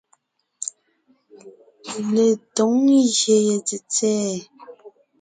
Letǒŋ ngyè ye tsètsɛ̀ɛ.